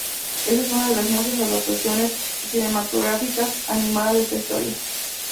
Esta es una de las muchas adaptaciones cinematográficas animadas de esta historia.